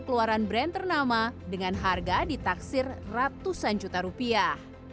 keluaran brand ternama dengan harga ditaksir ratusan juta rupiah